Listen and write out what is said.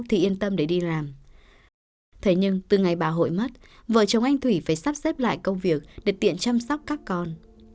thế nhưng từ ngày bà hội mất vợ chồng anh thủy phải sắp xếp lại công việc để tiện chăm sóc các con